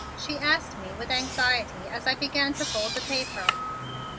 she asked with anxiety as I began to fold the paper.